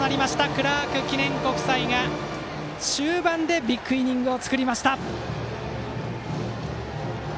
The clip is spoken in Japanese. クラーク記念国際が終盤でビッグイニングを作りました。